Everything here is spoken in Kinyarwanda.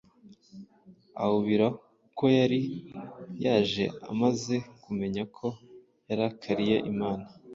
aubira uko yari yajeamaze kumenya ko yarakariye imana,